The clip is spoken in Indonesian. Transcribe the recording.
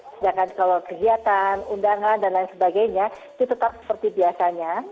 sedangkan kalau kegiatan undangan dan lain sebagainya itu tetap seperti biasanya